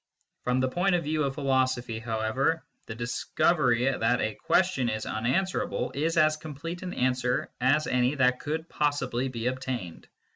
From the point of view of philosophy, however, the discovery that a question is unanswerable is as complete an answer as any that could possibly be obtained.